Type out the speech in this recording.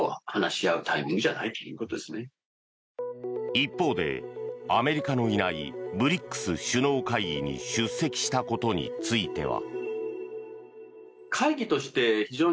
一方で、アメリカのいないＢＲＩＣＳ首脳会議に出席したことについては。